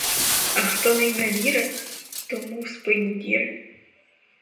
А хто не йме віри, тому в спині діри!